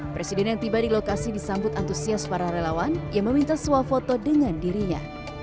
presiden yang tiba di lokasi disambut antusias para relawan yang meminta suah foto dengan dirinya